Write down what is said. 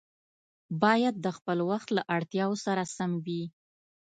باید د خپل وخت له اړتیاوو سره سم وي.